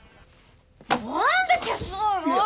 何で消すのよ！？